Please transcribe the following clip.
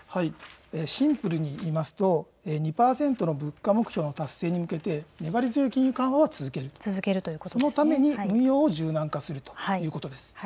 シンプルに言いますと２％の物価目標の達成に向けて粘り強い金融緩和を続ける、そのために運用の柔軟化をするということです。